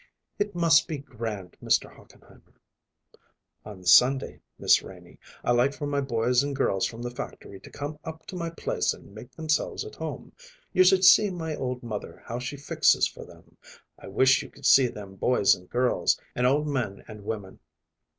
"It must be grand, Mr. Hochenheimer." "On Sunday, Miss Renie, I like for my boys and girls from the factory to come up to my place and make themselves at home. You should see my old mother how she fixes for them! I wish you could see them boys and girls, and old men and women.